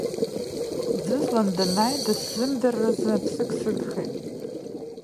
Ӡызлан данааи дысзымдырразы аԥсык сыгхеит.